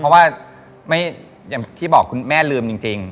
เพราะว่าอย่างที่บอกคุณแม่ลืมจริง